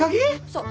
そう。